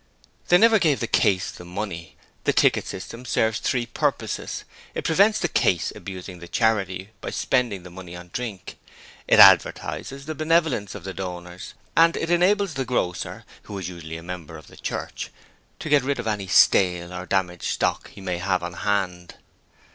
They never gave the 'case' the money. The ticket system serves three purposes. It prevents the 'case' abusing the 'charity' by spending the money on drink. It advertises the benevolence of the donors: and it enables the grocer who is usually a member of the church to get rid of any stale or damaged stock he may have on hand.